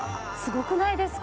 すごくないですか？